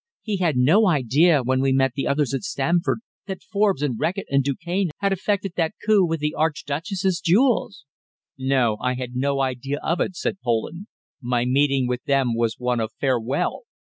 He had no idea when he met the others at Stamford that Forbes and Reckitt and Du Cane had effected that coup with the Archduchess's jewels." "No. I had no idea of it," said Poland. "My meeting with them was one of farewell.